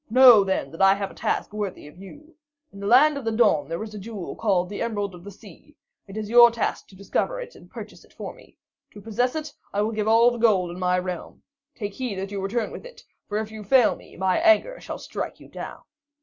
Know, then, that I have a task worthy of you. In the Land of the Dawn there is a jewel called the Emerald of the Sea; it is your task to discover it and purchase it for me. To possess it, I would give all the gold in my realm. Take heed that you return with it, for if you fail me, my anger shall strike you down."